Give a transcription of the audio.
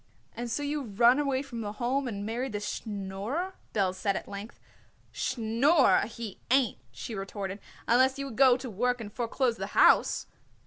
"And so you run away from the Home and married this Schnorrer?" Belz said at length. "Schnorrer he ain't," she retorted, "unless you would go to work and foreclose the house."